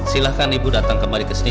silahkan ibu datang kembali ke sini